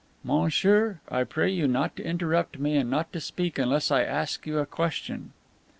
"Monsieur, I pray you not to interrupt me and not to speak unless I ask you a question."